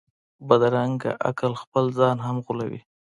بدرنګه عقل خپل ځان هم غولوي